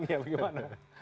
menerjemahkan ya bagaimana